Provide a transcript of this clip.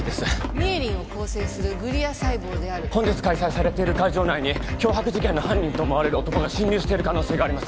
ミエリンを構成するグリア細胞である本日開催されている会場内に脅迫事件の犯人と思われる男が侵入している可能性があります